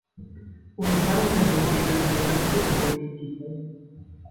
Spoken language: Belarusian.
Ужо зараз вядома, што імпрэза будзе даволі сціплай.